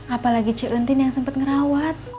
apalagi cik entin yang sempet ngerawat